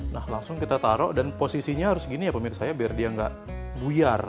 nah langsung kita taruh dan posisinya harus gini ya pemirsa ya biar dia nggak buyar